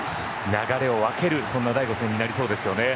流れを分けるそんな第５戦になりそうですよね。